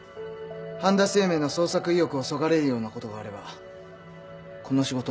半田清明の創作意欲をそがれるようなことがあればこの仕事なかったことにします。